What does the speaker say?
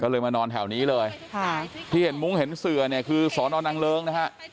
ก็เลยมานอนแถวนี้เลยค่ะที่เห็นมุ้งเห็นเสือเนี่ยคือสอนอนังเลิ้งนะฮะ